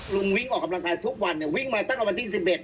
วิ่งออกกำลังกายทุกวันเนี่ยวิ่งมาตั้งแต่วันที่๑๑